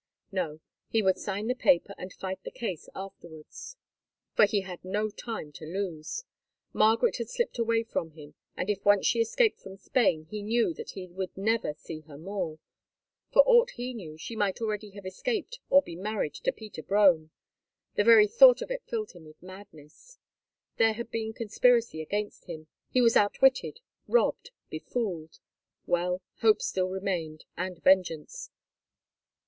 No, he would sign the paper and fight the case afterwards, for he had no time to lose. Margaret had slipped away from him, and if once she escaped from Spain he knew that he would never see her more. For aught he knew, she might already have escaped or be married to Peter Brome. The very thought of it filled him with madness. There had been a conspiracy against him; he was outwitted, robbed, befooled. Well, hope still remained—and vengeance.